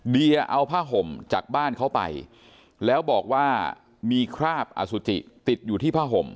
เดียเอาผ้าห่มจากบ้านเขาไปแล้วบอกว่ามีคราบอสุจิติดอยู่ที่ผ้าห่ม